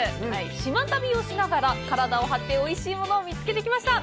島旅をしながら体を張っておいしいものを見つけてきました。